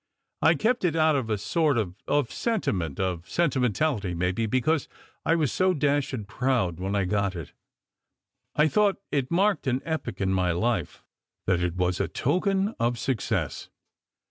I kept it, out of a sort of of sentiment, or sentimentality maybe, because I was so dashed proud when I got it. I thought it marked an epoch in my life; that it was a token of success.